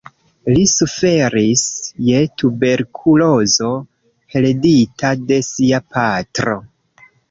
Li suferis je tuberkulozo heredita de sia patro.